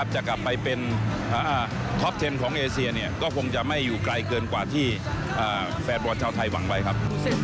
จะกลับไปเป็นท็อปเทนของเอเซียก็คงจะไม่อยู่ไกลเกินกว่าที่แฟนบอลชาวไทยหวังไว้ครับ